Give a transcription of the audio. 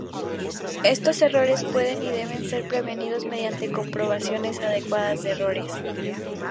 Estos errores pueden, y deben, ser prevenidos mediante comprobaciones adecuadas de errores.